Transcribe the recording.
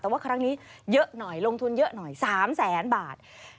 แต่ว่าครั้งนี้เยอะหน่อยลงทุนเยอะหน่อย๓แสนบาท